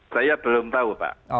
saya belum tahu pak